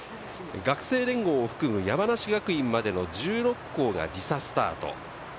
学生連合を含む山梨学院までの１６校が時差スタート。